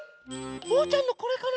おうちゃんのこれかな？